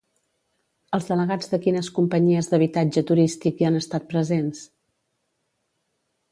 Els delegats de quines companyies d'habitatge turístic hi han estat presents?